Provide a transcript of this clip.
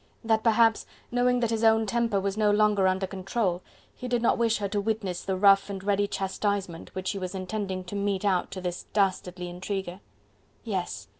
that perhaps, knowing that his own temper was no longer under control, he did not wish her to witness the rough and ready chastisement which he was intending to mete out to this dastardly intriguer. Yes!